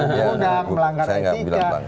udang melanggar etika